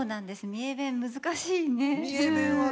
三重弁、難しいね。